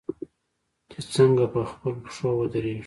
چې څنګه په خپلو پښو ودریږو.